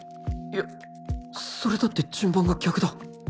いやそれだって順番が逆だ